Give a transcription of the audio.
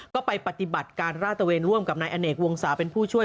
ก็ไปปฏิบัติการราชเวนร่วมกับนายอเนกวงศาเป็นผู้ช่วย